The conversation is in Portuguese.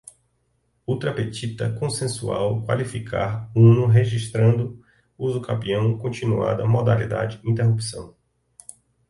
ultra petita, concensual, qualificar, uno, registrando, usucapião, continuada, modalidade, interrupção